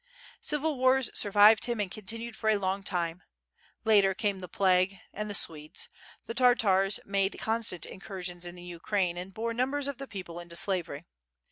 Civil wars survived him and continued for a long time. Later came the plague, and the Swedes; the Tartars made constant incursions in the Ukraine, and bore numbers of the people into slavery.